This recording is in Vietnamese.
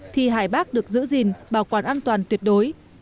thi hải bác được giữ gìn bảo quản an toàn tuyệt đối